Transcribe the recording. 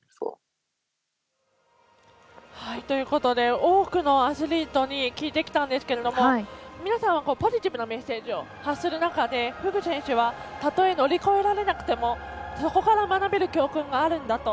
多くのアスリートに聞いてきたんですけど皆さん、ポジティブなメッセージを発する中で、フグ選手はたとえ、乗り越えられなくてもそこから学べる教訓があるんだと。